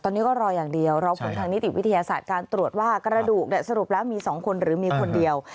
ตอนนี้ก็รออย่างเดียวรอผลทางนิติวิทยาศาสตร์การตรวจว่ากระดูกสรุปแล้วมี๒คนหรือมีคนเดียว